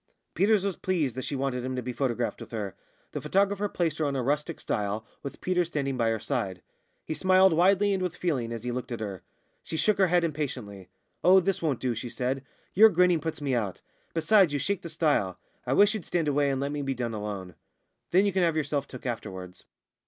Peters was pleased that she wanted him to be photographed with her. The photographer placed her on a rustic stile, with Peters standing by her side. He smiled widely and with feeling, as he looked at her. She shook her head impatiently. "Oh, this won't do!" she said, "your grinning puts me out. Besides, you shake the stile. I wish you'd stand away and let me be done alone. Then you can have yourself took afterwards."